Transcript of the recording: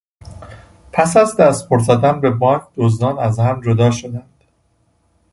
پس از دستبرد زدن به بانک دزدان از هم جدا شدند.